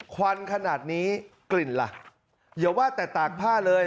ควันขนาดนี้กลิ่นล่ะอย่าว่าแต่ตากผ้าเลย